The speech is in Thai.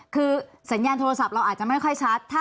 คือสัญญาณโทรศัพท์เราอาจจะไม่ค่อยชัด